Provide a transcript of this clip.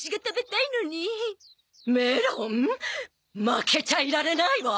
負けちゃいられないわ！